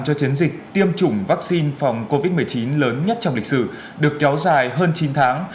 cho chiến dịch tiêm chủng vaccine phòng covid một mươi chín lớn nhất trong lịch sử được kéo dài hơn chín tháng